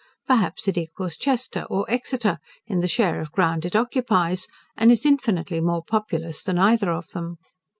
Perhaps it equals Chester, or Exeter, in the share of ground it occupies, and is infinitely more populous than either of them.